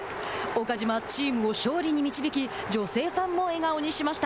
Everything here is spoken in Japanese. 岡島、チームを勝利に導き女性ファンも笑顔にしました。